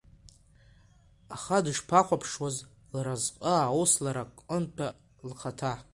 Аха дышԥахәаԥшуаз лразҟы аус лара Кәынта лхаҭа?